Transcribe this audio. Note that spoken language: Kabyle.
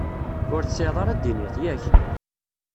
Ur tesɛiḍ ara d-tiniḍ, yak?